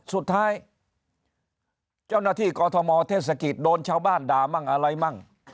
สุดท้ายเจ้าหน้าที่กอทมเทศกิจโดนชาวบ้านด่ามั่งอะไรมั่ง